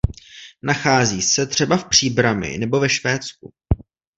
Nachází se třeba v Příbrami nebo ve Švédsku.